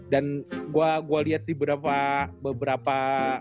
dan gue liat di beberapa beberapa video